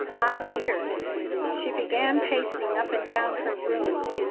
Five years She began pacing up and down her room.